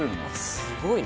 すごいな！